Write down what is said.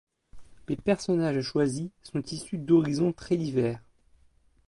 Les personnages choisis sont issus d’horizons très divers.